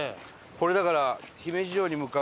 これだから。